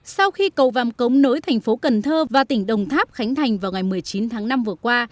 sau khi cầu vàm cống nối thành phố cần thơ và tỉnh đồng tháp khánh thành vào ngày một mươi chín tháng năm vừa qua